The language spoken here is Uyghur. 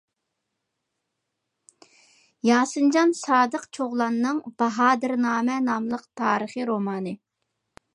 ياسىنجان سادىق چوغلاننىڭ «باھادىرنامە» ناملىق تارىخىي رومانى